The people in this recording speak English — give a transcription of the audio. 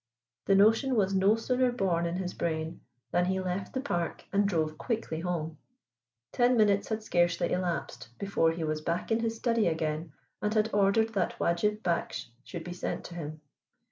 The notion was no sooner born in his brain than he left the Park and drove quickly home. Ten minutes had scarcely elapsed before he was back in his study again, and had ordered that Wajib Baksh should be sent to him.